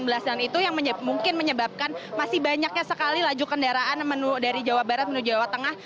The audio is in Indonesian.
itu yang mungkin menyebabkan masih banyaknya sekali laju kendaraan dari jawa barat menuju jawa tengah